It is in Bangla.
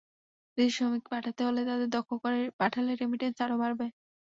বিদেশে শ্রমিক পাঠাতে হলে, তাদের দক্ষ করে পাঠালে রেমিট্যান্স আরও বাড়বে।